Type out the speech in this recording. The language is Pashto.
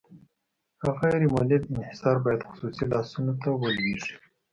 غیر مولد انحصار باید خصوصي لاسونو ته ولویږي.